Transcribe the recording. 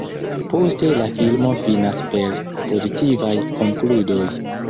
Poste la filmo finas per pozitivaj konkludoj.